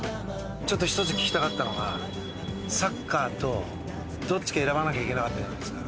ちょっと１つ聞きたかったのがサッカーとどっちか選ばなきゃいけなかったじゃないですか。